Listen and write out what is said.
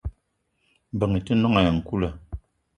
Mbeng i te noong ayi nkoula.